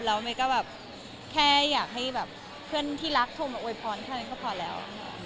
แล้วเมย์ก็แบบแค่อยากให้แบบเพื่อนที่รักโทรมาอวยพรแค่นั้นก็พอแล้ว